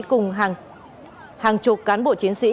cùng hàng chục cán bộ chiến sĩ